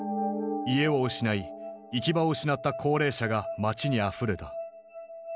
家を失い行き場を失った高齢者が街にあふれた。